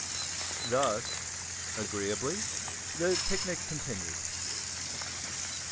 Thus agreeably the picnic continued!